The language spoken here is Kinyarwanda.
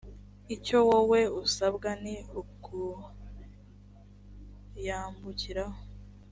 icyo wowe usabwa ni ukuyambukiraho